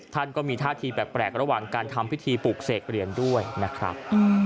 ท่านก็มีท่าทีแปลกระหว่างการทำพิธีปลูกเสกเหรียญด้วยนะครับ